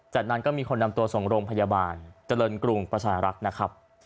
จากนั้นก็มีคนนำตัวส่งโรงพยาบาลเจริญกรุงประชารักษ์นะครับ